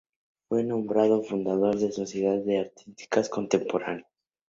Fue miembro fundador de la Sociedad de Artistas Contemporáneos.